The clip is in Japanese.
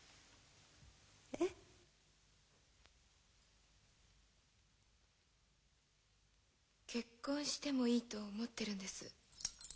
えっ？結婚してもいいと思ってるんです。